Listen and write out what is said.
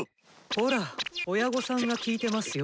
ほら親御さんが聞いてますよ。